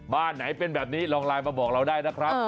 บ้านไหนเป็นแบบนี้ลองไลน์มาบอกเราได้นะครับ